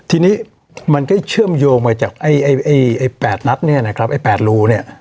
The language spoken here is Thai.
ทีนี้มันก็จะเชื่อมโยงไว้จากไอ้ไอ้ไอ้แปดนัดเนี้ยนะครับไอ้แปดรูเนี้ย